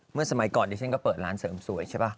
สมัยก่อนดิฉันก็เปิดร้านเสริมสวยใช่ป่ะ